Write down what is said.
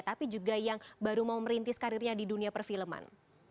tapi juga yang baru mau merintis karirnya di dunia perfilman